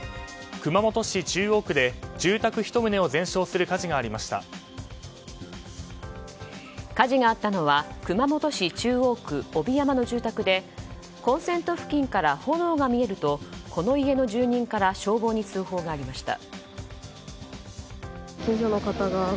熊本市中央区で住宅１棟を火事があったのは熊本市中央区帯山の住宅でコンセント付近から炎が見えるとこの家の住民から消防に通報がありました。